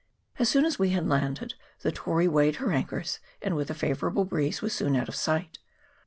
As soon as we had landed the Tory weighed her anchors, and, with a favourable breeze, was soon out of sight.